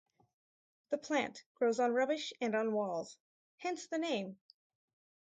The plant grows on rubbish and on walls, hence the name.